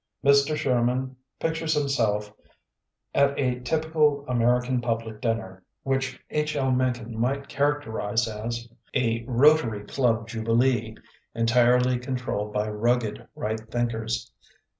Mr. Sherman pictures himself at a typical American public dinner, which H. L. Mencken might characterize as a Rotary Club jubilee entirely con trolled by rugged right thinkers.